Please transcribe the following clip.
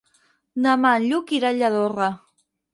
Demà en Lluc irà a Lladorre.